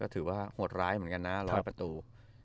ถือว่าโหดร้ายเหมือนกันนะ๑๐๐ประตู